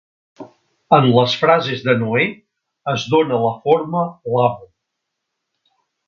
En les frases de Noè, es dona la forma "lamo".